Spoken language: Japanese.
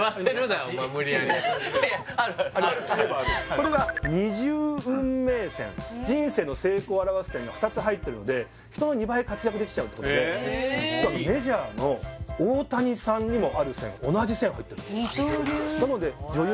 いやいやあるあるこれが二重運命線人生の成功を表す線が２つ入ってるので人の２倍活躍できちゃうってことで実はメジャーの入ってるんですよ